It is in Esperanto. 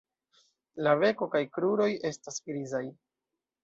La beko kaj kruroj estas grizaj.